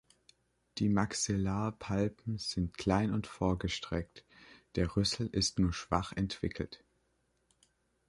Die Maxillarpalpen sind klein und vorgestreckt, der Rüssel ist nur schwach entwickelt.